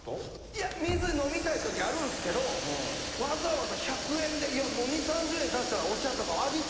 いや水飲みたい時あるんすけどわざわざ１００円で２０３０円足したらお茶とか。